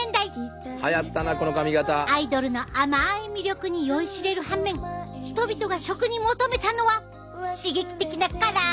アイドルの甘い魅力に酔いしれる反面人々が食に求めたのは刺激的な辛いスナック。